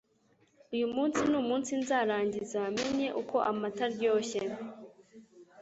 Uyu munsi numunsi nzarangiza menye uko amata aryoshye.